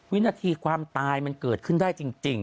วินาทีความตายมันเกิดขึ้นได้จริง